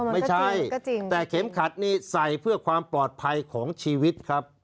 ไม่ใช่แต่เข็มขัดนี้ใส่เพื่อความปลอดภัยของชีวิตครับ